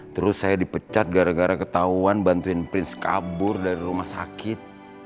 terus saya dipecat gara gara ketahuan bantuin prince kabur dari rumah sakit